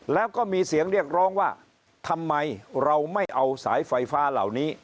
แล้วก็มีเสียงเรียกร้องว่าทำไมเราไม่เอาสายไฟฟ้าเหล่านี้